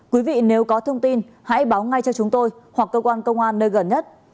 quý vị nếu có thông tin hãy báo ngay cho chúng tôi hoặc cơ quan công an nơi gần nhất